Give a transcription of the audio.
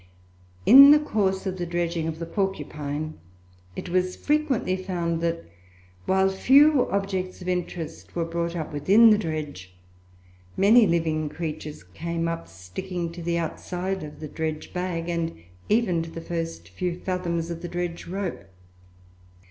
In the course of the dredging of the Porcupine, it was frequently found that, while few objects of interest were brought up within the dredge, many living creatures came up sticking to the outside of the dredge bag, and even to the first few fathoms of the dredge rope.